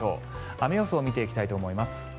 雨予想を見ていきたいと思います。